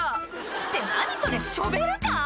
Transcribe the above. って何それショベルカー⁉